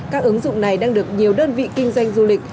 các ứng dụng này đang được nhiều đơn vị kinh doanh du lịch